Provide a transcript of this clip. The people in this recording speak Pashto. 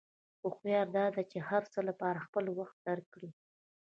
هوښیاري دا ده چې د هر څه لپاره خپل وخت درک کړې.